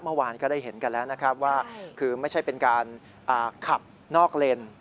เมื่อวานก็ได้เห็นกันแล้วนะครับว่าคือไม่ใช่เป็นการขับนอกเลน